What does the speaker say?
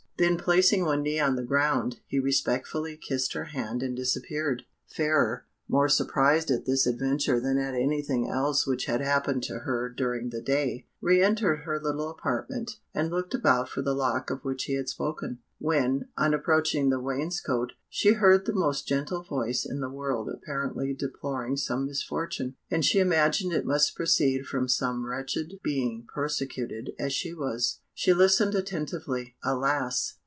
Then placing one knee on the ground, he respectfully kissed her hand and disappeared. Fairer, more surprised at this adventure than at anything else which had happened to her during the day, re entered her little apartment, and looked about for the lock of which he had spoken, when, on approaching the wainscot, she heard the most gentle voice in the world apparently deploring some misfortune, and she imagined it must proceed from some wretched being persecuted as she was. She listened attentively. "Alas!